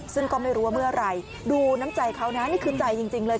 ซึ่งก็ไม่รู้ว่าเมื่อไหร่ดูน้ำใจเขานะนี่คือใจจริงเลย